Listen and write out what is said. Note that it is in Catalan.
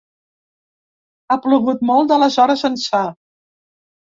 Ha plogut molt d’aleshores ençà.